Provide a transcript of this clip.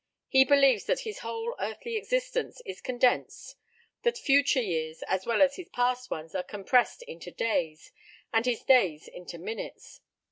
He believes that his whole earthly existence is condensed that future years, as well as his past ones, are compressed into days, and his days into minutes.